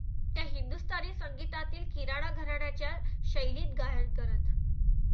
त्या हिंदुस्तानी संगीतातील किराणा घराण्याच्या शैलीत गायन करत.